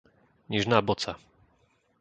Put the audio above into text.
Nižná Boca